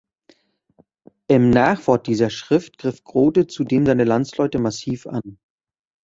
Im Nachwort dieser Schrift griff Grote zudem seine Landsleute massiv an.